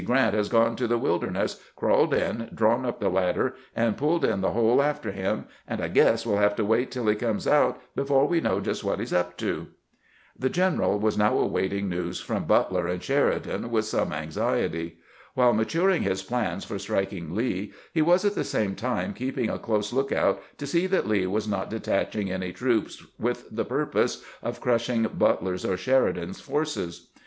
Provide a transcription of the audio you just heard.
Grant has gone to the Wilder ness, crawled in, drawn up the ladder, and pulled in the hole after him, and I guess we 'U have to wait till he comes out before we know just what he 's up to." The general was now awaiting news from Butler and NEWS FROM THE OTHER ARMIES 99 Sheridan with some anxiety. While maturing his plans for striking Lee, he was at the same time keeping a close lookout to see that Lee was not detaching any troops with the purpose of crushing Butler's or Sheri dan's forces.